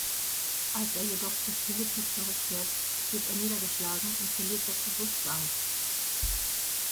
Als er jedoch zu Philippe zurückkehrt, wird er niedergeschlagen und verliert das Bewusstsein.